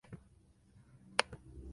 Israel se calificó sin jugar.